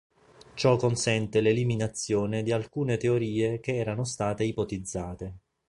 Ciò consente l'eliminazione di alcune teorie che erano state ipotizzate.